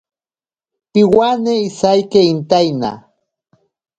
Piwane isaiki intaina.